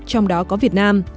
trong đó có việt nam